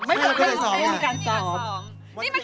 ใช่มีการซ้อม